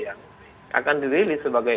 yang akan dirilis sebagai